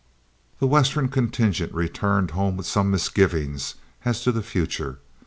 The Western contingent returned home with some misgivings as to the future.